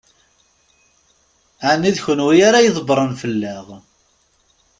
Ɛni d kenwi ara ydebbṛen fell-aɣ?